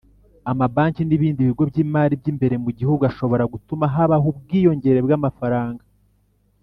amabanki n'ibindi bigo by'imari by'imbere mu gihugu ashobora gutuma habaho ubwiyongere bw'amafaranga